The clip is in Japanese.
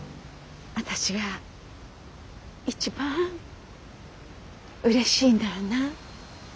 私が一番うれしいなあなあ。